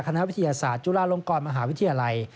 คณะวิทยาศาสตร์จุฬาลงกรมหาวิทยาลัย